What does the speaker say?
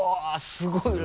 すごいよ。